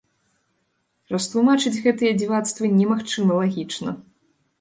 Растлумачыць гэтыя дзівацтвы немагчыма лагічна.